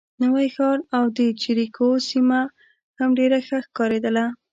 نوی ښار او د جریکو سیمه هم ډېره ښه ښکارېده.